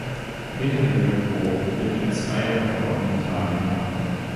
Peter-Jürgen Boock lebt als freier Autor in Italien.